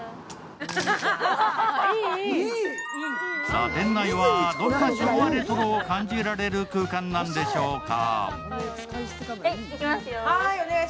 さぁ店内はどんな昭和レトロを感じられる空間なんでしょうか。